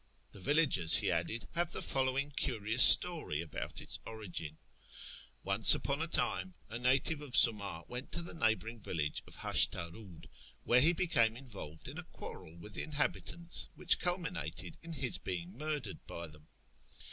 The villagers, he added, have the following curious story about its origin :— Once upon a time a native of Siinia went to the neigh bouring village of Hashtarud, where he became involved in a quarrel with the inhabitants, which culminated in his being murdered by them.